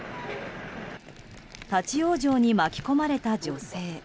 立ち往生に巻き込まれた女性。